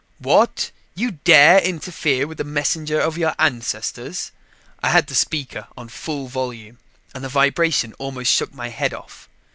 "What you dare interfere with the messenger of your ancestors!" I had the speaker on full volume and the vibration almost shook my head off.